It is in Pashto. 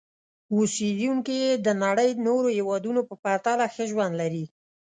اوسېدونکي یې د نړۍ نورو هېوادونو په پرتله ښه ژوند لري.